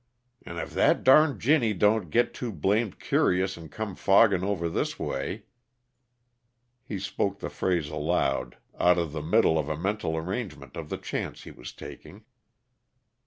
"And if that darned ginny don't get too blamed curious and cone fogging over this way " He spoke the phrase aloud, out of the middle of a mental arrangement of the chance he was taking.